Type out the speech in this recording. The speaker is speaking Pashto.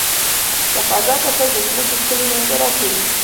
له فضا کتل د ځمکې ښکلي منظره ښيي.